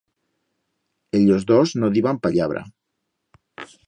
Ellos dos no diban pallabra.